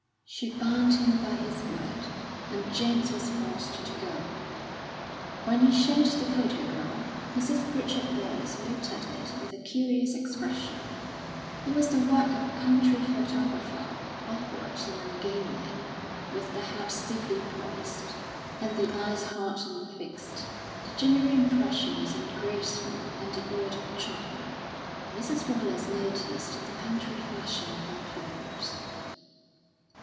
She bound him by his word, and James was forced to go. When he showed the photograph, Mrs. Pritchard Wallace looked at it with a curious expression. It was the work of a country photographer, awkward and ungainly, with the head stiffly poised, and the eyes hard and fixed; the general impression was ungraceful and devoid of charm, Mrs. Wallace noticed the country fashion of her clothes.